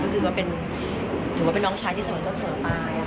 ก็คือว่าเป็นน้องชายที่สมัยต้อนส่งไป